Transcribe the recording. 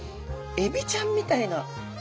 エビちゃんみたいな。